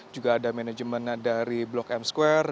juga ada manajemen dari blok m square